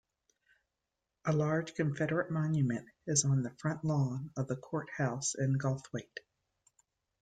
A large Confederate monument is on the front lawn of the courthouse in Goldthwaite.